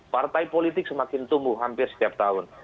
partai politik semakin tumbuh hampir setiap tahun